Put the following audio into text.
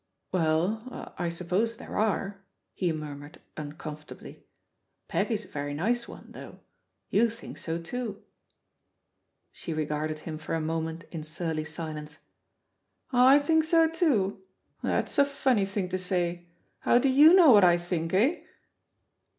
"Well, I suppose there are," he murmured un comfortably. "Peggy's a very nice one, though. You think so too." She regarded him for a moment in surly si lence: "I think so too? That's a funny thing lU THE POSITION OP PEGGY HARPER to say. How do you know what I think? Eh?'